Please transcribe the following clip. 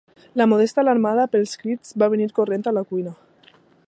La Modesta, alarmada pels crits, va venir corrents de la cuina.